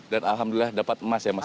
dan alhamdulillah dapat emas ya mas owi